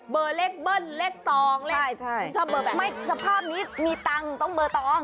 เบอร์เลขเบิ้ลเลขตองเลขชอบเบอร์ไม่สภาพนี้มีตังค์ต้องเบอร์ตอง